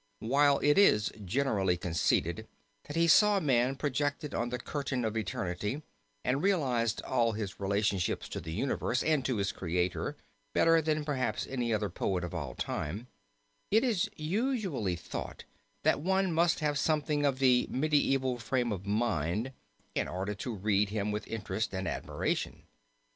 While it is generally conceded that he saw man projected on the curtain of eternity, and realized all his relationships to the universe and to his Creator better than perhaps any other poet of all time, it is usually thought that one must have something of the medieval frame of mind in order to read him with interest and admiration.